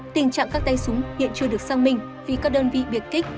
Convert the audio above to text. tình trạng các tay súng hiện chưa được sang mình vì các đơn vị biệt kích